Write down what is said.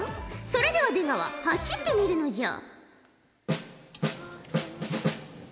それでは出川走ってみるのじゃ。